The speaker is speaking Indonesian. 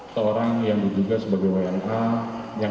terima kasih bang